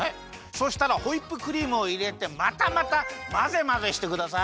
そしたらホイップクリームをいれてまたまたまぜまぜしてください。